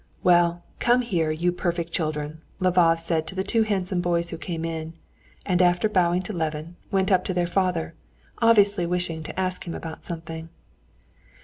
"Well, come here, you perfect children," Lvov said to the two handsome boys who came in, and after bowing to Levin, went up to their father, obviously wishing to ask him about something.